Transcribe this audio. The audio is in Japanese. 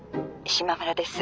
島村です。